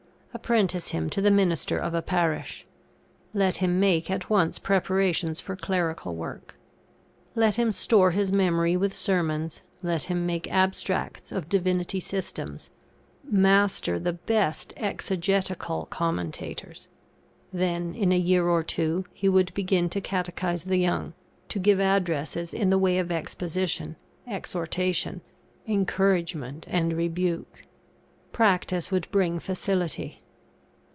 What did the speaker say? Apprentice him to the minister of a parish. Let him make at once preparations for clerical work. Let him store his memory with sermons, let him make abstracts of Divinity systems; master the best exegetical commentators. Then, in a year or two, he would begin to catechise the young, to give addresses in the way of exposition, exhortation, encouragement, and rebuke. Practice would bring facility.